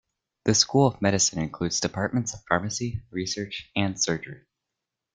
The School of Medicine includes departments of Pharmacy, Research, and Surgery.